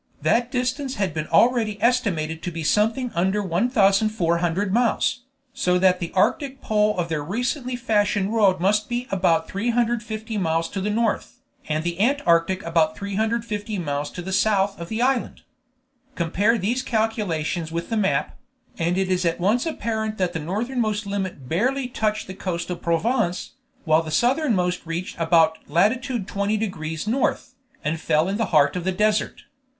That distance had been already estimated to be something under 1,400 miles, so that the Arctic Pole of their recently fashioned world must be about 350 miles to the north, and the Antarctic about 350 miles to the south of the island. Compare these calculations with the map, and it is at once apparent that the northernmost limit barely touched the coast of Provence, while the southernmost reached to about lat. 20 degrees N., and fell in the heart of the desert.